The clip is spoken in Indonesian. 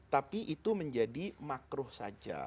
tapi itu menjadi makruh saja